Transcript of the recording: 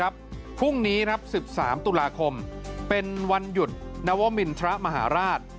พรุ่งนี้๑๓ตุลาคมเป็นวันหยุดนวมินทรมหาราช